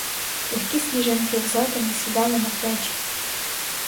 Легкі сніжинки в задумі сідали на плечі.